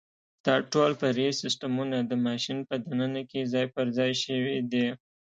دا ټول فرعي سیسټمونه د ماشین په دننه کې ځای پرځای شوي دي.